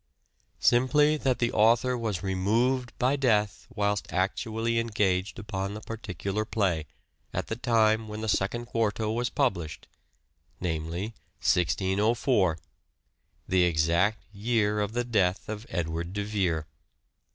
Simply that the author was removed by death whilst actually engaged upon the particular play, at the time when the Second Quarto was published, namely 1604, the exact year of the death of Edward de Vere.